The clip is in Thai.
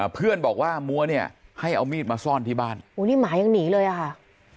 เพื่อนบอกว่ามัวเนี่ยให้เอามีดมาซ่อนที่บ้านโอ้นี่หมายังหนีเลยอะค่ะ